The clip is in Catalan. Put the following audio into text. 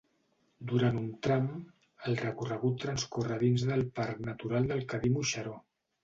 Durant un tram, el recorregut transcorre dins del Parc Natural del Cadí-Moixeró.